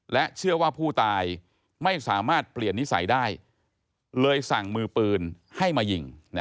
เชื่อว่าผู้ตายไม่สามารถเปลี่ยนนิสัยได้เลยสั่งมือปืนให้มายิง